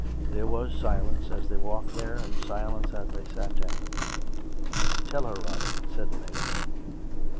There was silence as they walked there, and silence as they sat down. " Tell her, Robin," said the maid.